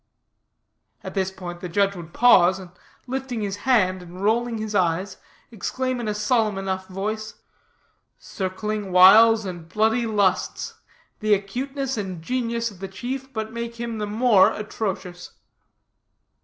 "' "At this point the judge would pause, and lifting his hand, and rolling his eyes, exclaim in a solemn enough voice, 'Circling wiles and bloody lusts. The acuteness and genius of the chief but make him the more atrocious.'